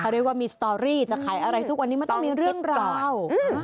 เรียกว่ามีสตอรี่จะขายอะไรทุกวันนี้มันต้องมีเรื่องราว